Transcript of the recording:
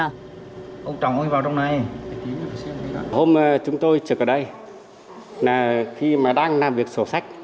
hôm chúng tôi trực ở đây khi mà đang làm việc sổ sách